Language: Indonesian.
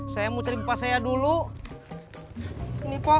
saya mau cari pas saya dulu ini kok